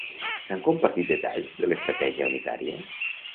S'han compartit detalls de l'estratègia unitària?